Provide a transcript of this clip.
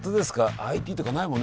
ＩＴとかないもんね